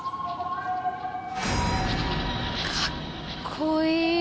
かっこいい。